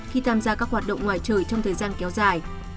khi tham gia các hoạt động ngoài trời trong thời gian kéo dài